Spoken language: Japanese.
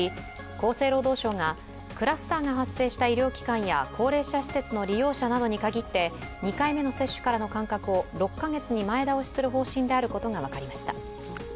厚生労働省がクラスターが発生した医療機関や高齢者施設の利用者などに限って２回目の接種からの間隔を６カ月に前倒しする方針であることが分かりました。